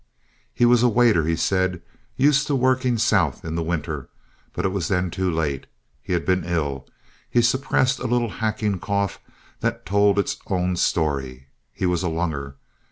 He was a waiter, he said, used to working South in the winter, but it was then too late. He had been ill. He suppressed a little hacking cough that told its own story; he was a "lunger."